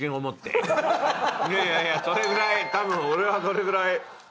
いやいやいやそれぐらいたぶん俺はそれぐらい。